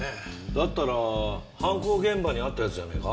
だったら犯行現場にあったやつじゃねえか？